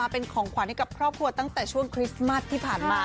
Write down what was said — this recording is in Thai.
เป็นของขวัญให้กับครอบครัวตั้งแต่ช่วงคริสต์มัสที่ผ่านมา